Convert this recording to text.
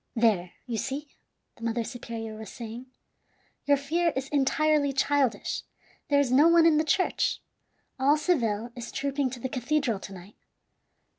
"There, you see," the mother superior was saying, "your fear is entirely childish; there is no one in the church. All Seville is trooping to the cathedral to night.